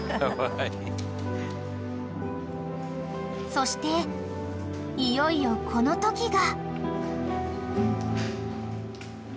［そしていよいよこのときが］